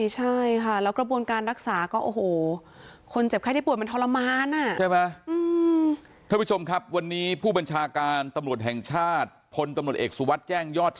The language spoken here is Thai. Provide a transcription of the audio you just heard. ใช่ค่ะแล้วกระบวนการรักษาก็โอ้โห